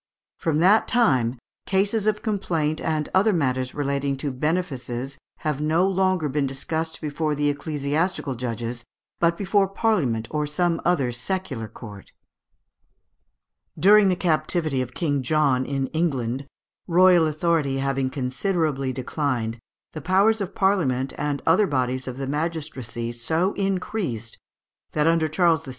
From that time "cases of complaint and other matters relating to benefices have no longer been discussed before the ecclesiastical judges, but before Parliament or some other secular court." During the captivity of King John in England, royal authority having considerably declined, the powers of Parliament and other bodies of the magistracy so increased, that under Charles VI.